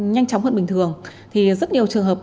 nhanh chóng hơn bình thường thì rất nhiều trường hợp